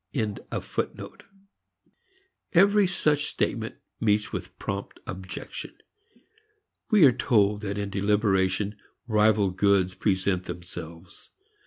Every such statement meets with prompt objection. We are told that in deliberation rival goods present themselves.